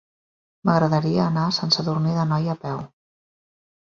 M'agradaria anar a Sant Sadurní d'Anoia a peu.